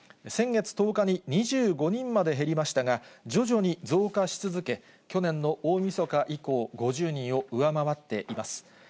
先月１０日に２５人まで減りましたが、徐々に増加し続け、去年の大みそか以降、５０人を上回っています。